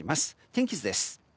天気図です。